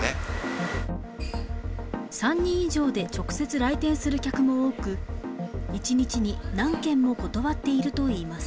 ３人以上で直接来店する客も多く、１日に何件も断っているといいます。